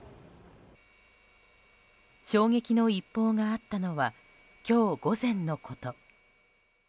衝撃の一報があったのは今日午前のこと。